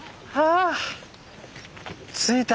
あ着いた。